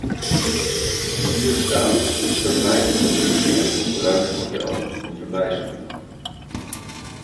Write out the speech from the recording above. Hier staat dat wij het productie- en verbruiksmodel moeten wijzigen.